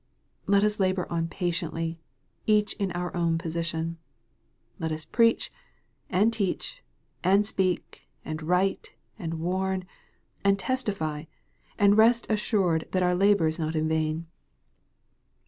Let us labor on patiently, each in our own position. Let us preach, and teach, and speak, and write, and warn, and testify, and rest assured that our labor is not in vain.